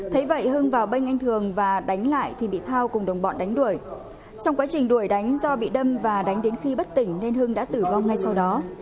thấy vậy hưng vào bên anh thường và đánh lại thì bị thao cùng đồng bọn đánh đuổi trong quá trình đuổi đánh do bị đâm và đánh đến khi bất tỉnh nên hưng đã tử vong ngay sau đó